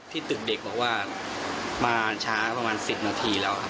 ตึกเด็กบอกว่ามาช้าประมาณ๑๐นาทีแล้วครับ